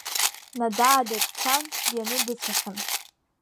Надаада дцан дианы дыцәахьан.